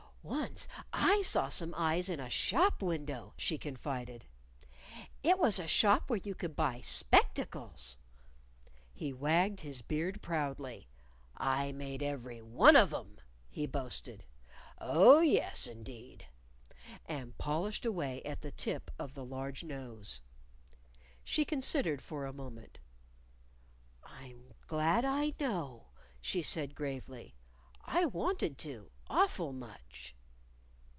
"Once I saw some eyes in a shop window," she confided. "It was a shop where you could buy spectacles." He wagged his beard proudly. "I made every one of 'em!" he boasted. "Oh, yes, indeed." And polished away at the tip of the large nose. She considered for a moment. "I'm glad I know," she said gravely. "I wanted to, awful much."